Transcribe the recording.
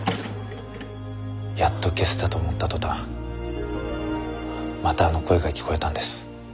やっと消せたと思った途端またあの声が聞こえたんです。